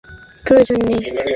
আমার কারো কথা শোনার প্রয়োজন নেই!